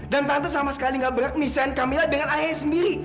dan tante sama sekali tidak berhak misikan kamila dengan ayahnya sendiri